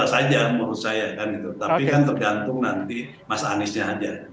biasa saja menurut saya kan itu tapi kan tergantung nanti mas aniesnya aja